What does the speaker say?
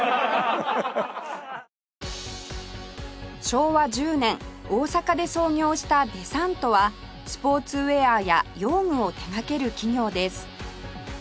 昭和１０年大阪で創業したデサントはスポーツウェアや用具を手がける企業です